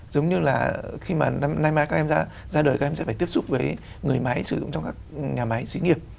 giống như là khi mà năm nay các em ra đời các em sẽ phải tiếp xúc với người máy sử dụng trong các nhà máy sĩ nghiệp